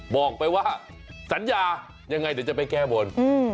บอกไปว่าสัญญายังไงเดี๋ยวจะไปแก้บน